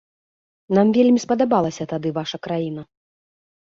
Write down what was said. Нам вельмі спадабалася тады ваша краіна.